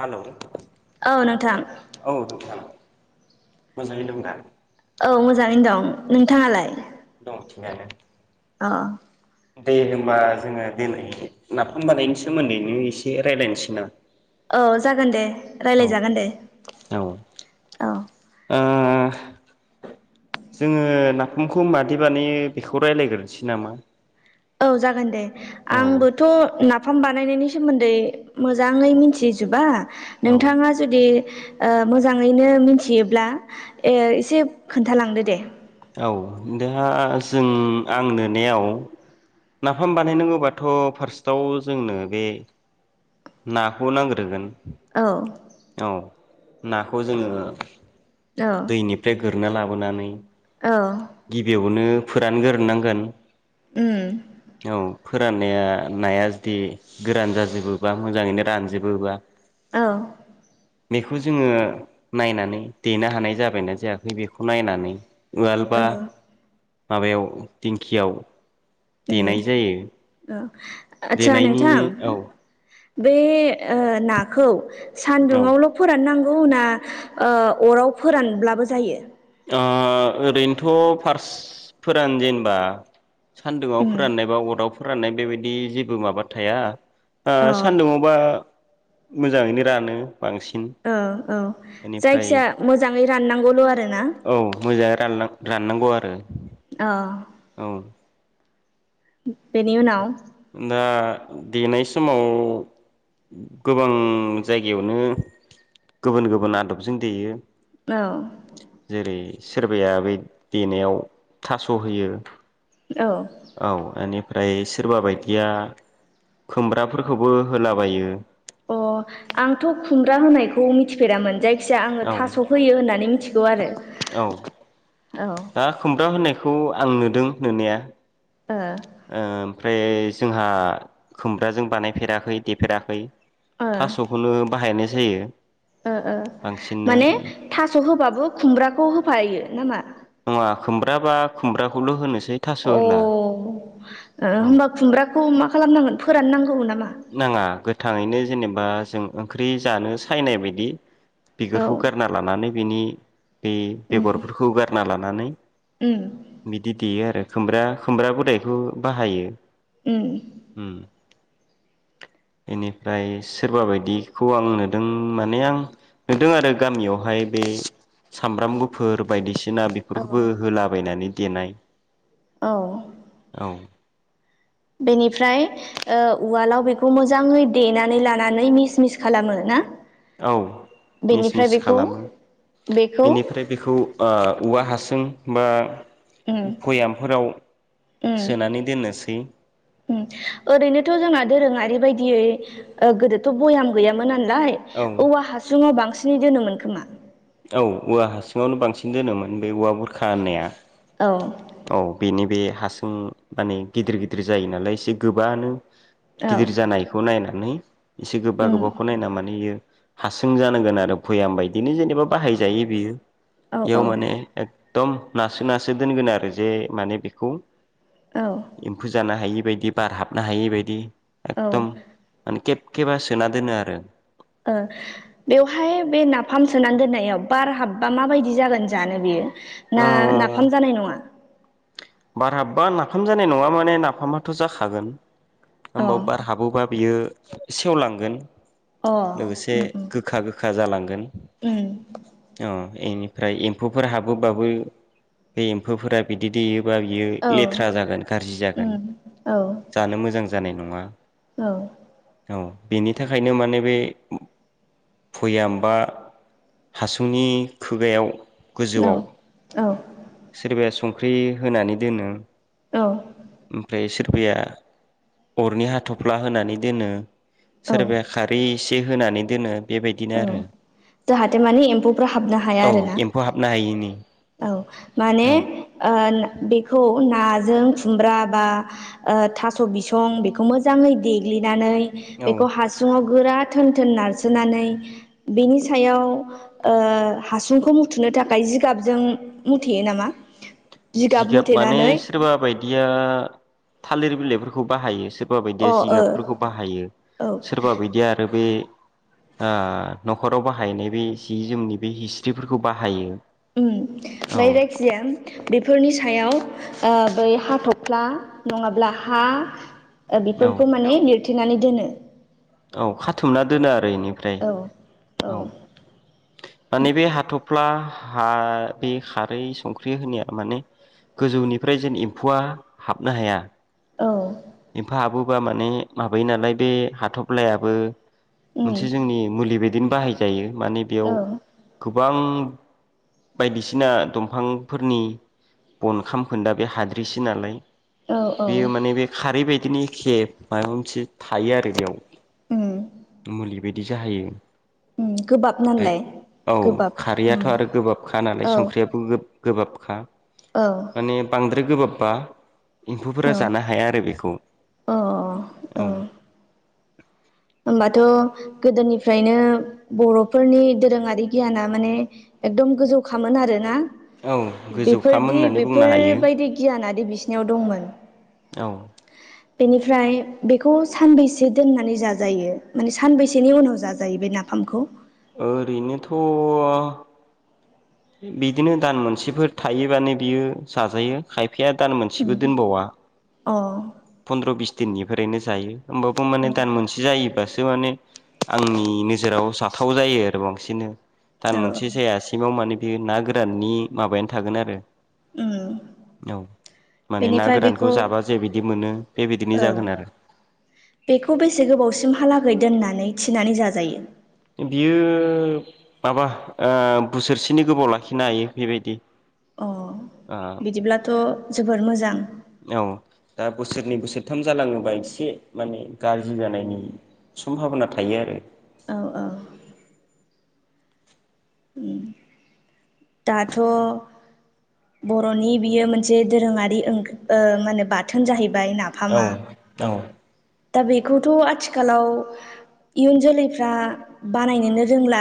Hello औ नोंथां औ नोंथां। मोजाङै दं दा? औ मोजाङैनो दं। नोंथाङालाय? [unintelligible] अ दे होनबा जोङो दिनै नाफाम बानायनायनि सोमोन्दैनो एसे रायलायनोसै ना औ जागोन दे रायलायजागोन दे औ ओ औ। [inaudible] जोङो नाफामखौ मादि बानायो बेखौ रायलायग्रोनोसै नामा? औ जागोन दे। औ आंबोथ' ना नफाम बानायनायनि सोमोन्दै मोजाङै मिनथिजुबा। औ नोंथाङा जुदि ओ मोजाङैनो मिनथियोब्ला ओ एसे खोन्थालांदो दे। औ दा जों आं नुनायाव नाफाम बानायनांगौबाथ' फार्स्टआव जोंनो बे नाखौ नांग्रोगोन। औ औ नाखौ जोङो औ दैनिफ्राय गोरना ला बोनानै औ गिबियावनो फोरानगोरोनांगोन। उम औ फोराननाया नाया जुदि गोरान जाजोबोबा मोजाङैनो रानजोबोबा औ बेखौ जोङो नायनानै देनो हानाय जाबायना जायाखै बेखौ नायनानै उवाल औ बा माबायाव दिंखियाव देनाय जायो उम औ आस्सा देनायनि नोंथां। औ बे ओ नाखौ औ सान्दुुङावल' ओ फोरान नां गौ ना ओ अराव फोरानब्लाबो जायो? ओ ओरैनोथ' फार्स फोरान जेनबा सान्दुङाव उम फोराननायबा अराव फोराननाय बेबायदि जेबो माबा थाया। आ अ सान्दुङावबा मोजाङैनो रानो। बांसिन औ औ बेनिफ्राय जायखिया मोजाङै राननांगौल' आरो ना। मोजां रान राननांगौ आरो अह। औ। बेनि उनाव दा देनाय समाव गोबां जायगायावनो गुबुन गुबुन आदबजों देयो। औ। जेरै सोरबाया बे देनायाव थास' होयो औ औ एनि फ्राय सोरबा बायदि या खुमब्राफोरखौबो होलाबायो। अ' आंथ' खुमब्रा होनायखौ मिथिफेरामोन जाय खिजाया आङो औ थास' होयो होननानै मिथिगौ आरो। औ औ दा खुमब्रा होनायखौ आं नुदों नुनाया ओ। ओमफ्राय जोंहा खुमब्राजों बानायफेराखै देफेराखै। ओ थास'खौनो बाहायनाय जायो। ओ ओ बांसिननो माने थास' होबाबो खुमब्राखौ होफायो नामा? नङा खुमब्रा बा खुमब्राखौल' होनो अ' ओ औ होमबा खुमब्राखौ मा खालामनांगोन फोराननांगौ नामा? नाङा गोथाङैनो जेनेबा जों ओंख्रि जानो सायनाय बायदि औ बिगुरखौ गारना लानानै बिनि बे उम बेगरफोरखौ गा ना लानानै उम बिदि देयो आरो खुमब्रा खुमब्रा गुरैखो बाहायो। उम उम बेनिफ्राय सोरबा बायदिखौ आं नुदों माने आं नुदों आरो गामियावहाय बे सामब्राम गुफुर बायदिसिना औ बेफोरखौबो होलाबायनानै देनाय। औ औ बेनिफ्राय ओ उवालाव बेखौ मोजाङै देनानै लानानै मिस मिस खालामो ना? औ मिस बेनिफ्राय मिस बेखौ खालामो बेखौ बेनिफ्राय बेखौ ओ औवा हासुं बा उम भयामफोराव उम सोनानै दोननोसै। उम यै ओ गोदोथ' भयाम गैयामोना नालाय औ औवा हासुङाव बांसिन सिन दोनोमोन खोमा औ औवा हासुङावनो बांसिन दोनोमोन बे औवा बुरखा होननाया। औ औ बेनि बे हासुं माने गिदिर गिदिर जायो नालाय एसे गोबानो औ गिदिर जानायखौ नायनानै इसे गोबा उम गोबाखौ नायना माने बियो हासुं जानांगोन आरो भयाम बायदिनो जेनेबा बाहायजायो बियो। औ याव औ माने एखदम नासो नासो दोनगोनो आरो जे माने बेखौ औ एम्फौ जानो हायि बाय बि बार हाबनो हायै बायदि औ एकदम माने खे खेबा सोना दोनो आरो ओ बेवहाय बे नाफाम सोनानै दोननायाव बार हाबबा माबायदि जागोन जानो बेयो। ना नाफाम जानाय नङा? बारहाबबा नाफाम जानाय नङा माने नाफामाथ' जाखागोन अ होमबाबो बार हाबोबा बियो सेवलांगोन अ लोगोसे उम गोखा गोखा जालांगोन उम अ इनिफ्राय एम्फौफोर हाबोबाबो बे एम्फौफोरा बिदै दैेयो बा बियो उम औ लेथ्रा जागोन गाज्रि जागोन उम औ जानो मोजां जानाय नङा औ औ बेनि थाखायनो माने बे भयाम बा हासुंनि खुगायाव औ गोजौआव औ सोरबाया संख्रि होनानै दोनो औ ओमफ्राय सोरबाया अरनि हाथ'फ्ला होनानै दोनो औ सोरबाया खारि एसे होनानै दोनो बेबायदिनो औ आरो जाहाथे माने एम्फौफोरा हाबनो हाया औ आरोना एम्फौ हाबनो हायिनि औ माने औ ओ बेखौ नाजों खुमब्रा बा ओ थास' बिसं बेखौ मोजाङै देग्लिनानै औ बेखौ हासुुङाव गोरा थोन थोन नारसोनानै बेनि सायाव ओ हासुंखौ मुथुनो थाखाय जिगाबजों मुथेयो नामा? जिगाब माने सोरबा बायदिया थालिर बिलाइ फोर खौ बाहायो सोरबा बायदिया अ ओ जिगाबफोरखौ बाहायो औ सोरबा बायदिया आरो बे ओ न'खराव बाहायनाय बे जि जोमनि बे हिस्रिफोरखौ बाहायो। उम औ नै जायखिजाया बेफोरनि सा सायाव ओ बै हाथ'फ्ला नङाब्ला हा ओ औ बेफोरखौ माने लिरथे थेनानै दोनो औ खाथुमना दोनो आरो एनिफ्राय औ औ माने बे हाथ'फ्ला हा बे खारै संख्रि होनाया माने गोजौनिफ्राय जेन एम्फौआ हाबनो हाया। औ एम्फौ हाबोबा माने माबायो नालाय बे हाथफ्लायाबो मोनसे जोंनि मुलि बाय दिनो बाहायजायो। माने बेयाव औ बां बायदिसिना दंफांफोरनि बन खामखोनदा बे हाद्रिसो नालाय। औ बेयो माने बे खारै बाय दिनो एखे माबा मोनसे थायो आरो उम बेयाव मुलि बेदि जाहोयो। उम गोबाब नालाय गोबाब ओम खा नालाय संख्रियाबो गोब गोबाबखा। औ माने बांद्राय गोबाब बा अ एम्फौफोरा औ जानो हाया आरो बेखौ औ। होमबाथ' गोदोनिफ्रायनो बर'फोरनि दोरोङारि गियाना माने एकदम गोजौ खामोन आरोना? औ गोजौखाम बेफोरदि होननानै बुंनो हायो बेफोरबायदि गियानादि बिसिनिव दंमोन औ बेनिफ्राय बेखौ सानबैसे दोननानै जा जायो माने सानबेसेनि उनाव जाजायो बे नाफामखौ? ओरैनोथ' बिदिनो दान मोनसेफोर थायोबानो बियो जाजायो खाय फाया दान मोनसेबो उम दोनबावा। अ। ध्र बिस दिननिफ्रायनो जायो होमबाबो माने उम दान मोनसे जायोबासो माने आंनि नोजोराव जाथाव जायो आरो बांसिननो। दान औ औ मोनसे जायासिमाव माने बे ना गोराननि माबायानो थागोन आरो उम औ। माने ना बेनिफ्राय गोरानखौ बेखौ जाबा जे बिदि औ बेखौ बेसे गोबावसिम हा लागै दोननानै थिनानै जाजायो? बियो माबा ओ बोसोरसेनि गोबाव लाखिनो हायो बेबायदि। अ ओ बिदिब्लाथ' जोबोर मोजां। औ दा बोसोरनै बोसोरथाम जालाङोबा एसे माने गाज्रि जानायनि सम्भाबना थायो आरो। औ औ। उम दाथ' बर'नि बियो मोनसे दोरोङारि ओं मा होनो बाथोन जाहैबाय। औ नाफामा औ। दा बेखौथ' आथिखालाव इयुन जोलैफ्रा बानायनोनो रोंला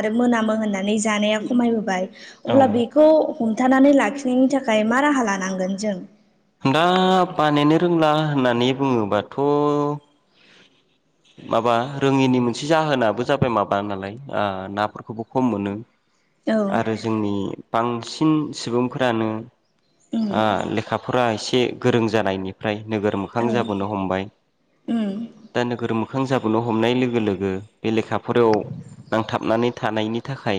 आरो मोनामो होननानै जानाया खमायबोबाय। औ अब्ला बेखौ हमथानानै लाखिनायनि थाखाय मा राहा लानांगोन जों? दा बानायनो रोंला होननानै बुङोबाथ' माबा रोङिनि मोनसे जाहोनाबो जाबाय माबा नालाय ओ नाफोरखौबो खम मोनो। औ आरो जोंनि बांसिन सुबुंफोरानो उम ओ लेखाफोरा एसे गोरों जानायनिफ्राय नोगोर मोखां औ जाबोनो हमबाय उम दा नों गोर मोखां जाबोनो हमनाय लोगो लोगो बे लेखाफोराव नांथाबनानै थानायनि थाखाय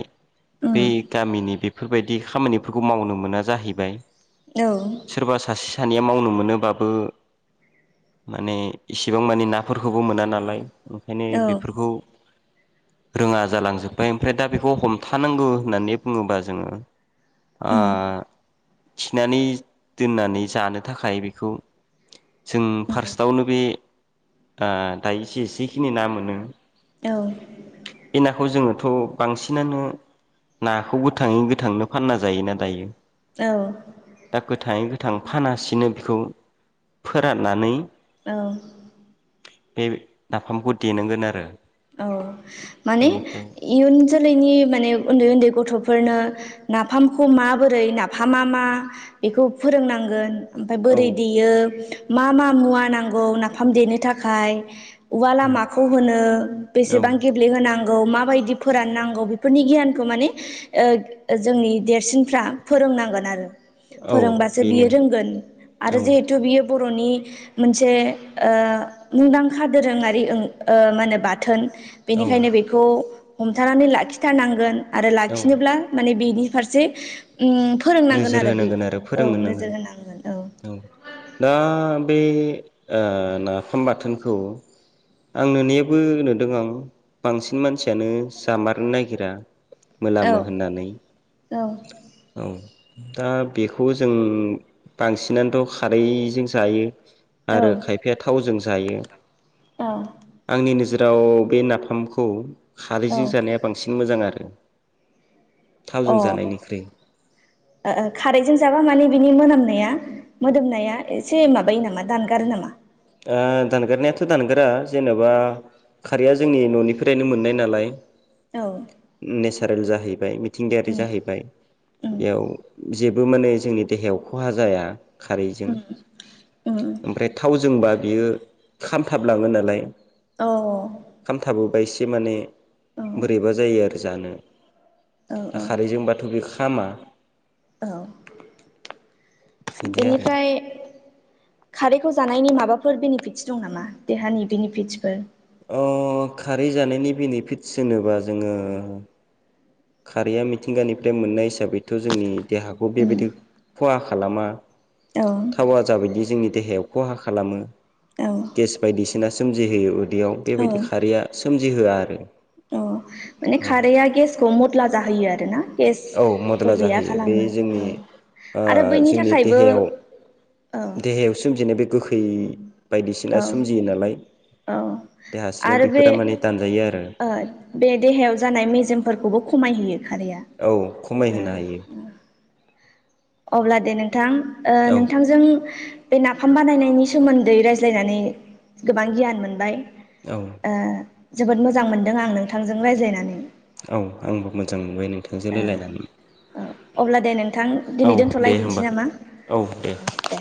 औ बै गामिनि बेफोरबायदि खामानिफोरखौ मावनो मोना जाहैबाय। सोरबा सासे सानैया मावनो मोनोबाबो माने इसेबां माने नाफोरखौ खौबो मोना नालाय। ओंखायनो बेफोरखौ रोङा जालांजोबबाय ओमफ्राय दा बेखौ हमथानांगौ होननानै बुङोबा जोङो ओ थिनानै दोननानै जानो थाखाय बेखौ जों फार्स्टआवनो बे दायो इसे एसेखिनि ना मोनो औ। बे नाखौ जोङोथ' बांसिनानो नाखौ गोथाङै गोथांनो फानना जायोना दायो। औ दा गोथाङै गोथां फानासिनो बेखौ फोराननानै औ बे नाफामखौ देनांगोन आरो औ माने बेनिफ्राय इयुन जोलैनि माने उन्दै उन्दै गथ'फोरनो नाफामखौ माबोरै नाफामा मा बेखौ फोरोंनांगोन ओमफ्राय औ बोरै देयो मा मा मुवा नांगौ नाफाम देनो थाखाय? उवाला औ माखौ होनो औ एसेबां गेब्लेहोना नांगौ माबायदि फोराननांगौ बेफोरनि गियानखौ माने ओ जोंनि देरसिनफ्रा फोरोंनांगोन आरो औ फोरोंबासो बियो बेनो रोंगोन आरो औ जिहेथु बियो बर'नि मोनसे ओ मुंदांखा दोरोङारि मा होनो बाथ थोन औ बेनिखायनो बेखौ हमथानानै लाखिथारनांगोन आरो औ लाखिनोब्ला माने बेनि फारसे उम फोरोंनांगोन नोजोर आरो होनांगोन औ फोरोंहोनांगोन नोजोर होनांगोन औ दा बे ओ नाफाम बाथोनखौ आं नुनायाबो नुदों आं बांसिन मानसियानो जामारनो नागिरा औ मोनामो होननानै औ औ दा बेखौ जों बांसिनानोथ' खारैजों जायो औ आरो खायफाया थावजों जायो औ आंनि नोजोर दाव बे नाफामखौ अ ओ खारैजों जानाया बांसिन मोजां आरो [inaudible] थावजों जानायनिख्रुइ। ओ ओ खारैजों जाबा माने बिनि मोनामनाया मोदोमनाया एसे माबायो नामा दानगारो नामा? ओ दानगारनायाथ' दानगारा जेनेबा खारैया जोंनि न'निफ्रायनो मोननाय नालाय औ। रेल जाहैबाय मिथिंगायारि उम जाहैबाय। उम बेयाव जे बो माने जोंनि देहायाव खहा जाया खारैजों। उम उम ओमफ्राय थावजों जोंबा बियो खा मथाबलाङो नालाय औ खामथाबोबा ए‌ जि माने बोरैबा औ जायो आरो जानो। दा औ खारैजोंबाथ' बे खामा। औ बिदि आरो बेनिफ्राय खारैखौ जानायनि माबाफोर बेनिफिटस दं नामा देहानि बेनिफिटसफोर? अ खारै जानायनि बेनिफिटस होनोबा जोङो खारैया मिथिंगानिफ्राय मोननाय हिसाबैथ' जोंनि देहाखौ उम बेबायदि खहा खालामा। औ थावा जाबायदि जोंनि देहायाव खहा खालामो औ गेस बायदिसिना सोमजिहोयो उ दैयाव औ बेबायदि खारैया सोमजिहोआ आरो। औ माने औ खारैया गेसखौ म टला जाहोयो आरोना। गेस औ खौ मदला गैया जाहोयो। बे खालामो जोंनि औ ओ आरो बैनि जोंनि थाखायबो देहायाव औ देहायाव सोमजिनाय बे गो खै बायदिसिना औ सोमजियो नालाय औ देहा सिङाव आरो बे बेफोरा माने दानजायो आरो। फोरखौबो खमायहोयो खारैया औ ओ खमायहोनो हायो। अब्ला दे नों थां ओ औ नोंथांजों बे नाफाम बानायनायनि सोमोन्दै रायज्लायनानै गोबां गियान मोनबाय। औ। ओ जोबोद मोजां मोनदों आं नोंथांजों रायज्लायनानै। औ आंबो मोजां मोनबाय नों औ ओ अब्ला दे नोंथां औ दिनै दे होमबा दोन्थ'लायदिनसै नामा औ दे।